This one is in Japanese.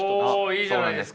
いいじゃないですか。